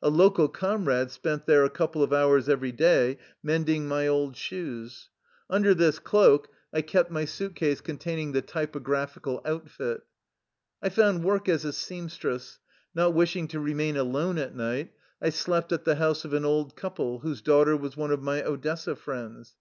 A local comrade spent there a couple of hours every day mending my old shoes. Under this cloak I kept 55 THE LIFE STORY OF A RUSSIAN EXILE my suit case containing the typographic outfit. I found work as a seamstress. Not wishing to remain alone at night, I slept at the house of an old couple whose daughter was one of my Odessa friends.